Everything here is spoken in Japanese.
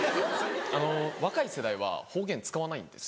若い世代は方言使わないんです。